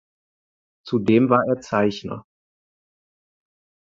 Zudem war er Zeichner.